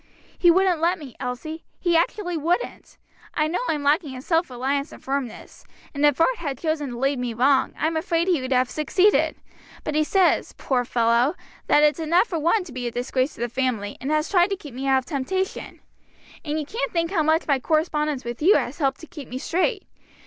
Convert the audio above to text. "He wouldn't let me, Elsie; he actually wouldn't. I know I'm lacking in self reliance and firmness, and if Art had chosen to lead me wrong, I'm afraid he'd have succeeded. But he says, poor fellow! that it's enough for one to be a disgrace to the family, and has tried to keep me out of temptation. And you can't think how much my correspondence with you has helped to keep me straight.